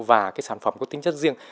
và cái sản phẩm có tính chất riêng